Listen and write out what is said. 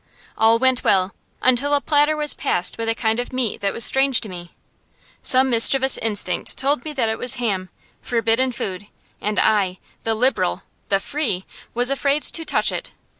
All went well, until a platter was passed with a kind of meat that was strange to me. Some mischievous instinct told me that it was ham forbidden food; and I, the liberal, the free, was afraid to touch it!